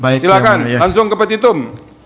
baik silahkan langsung ke petitum